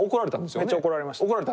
めっちゃ怒られました。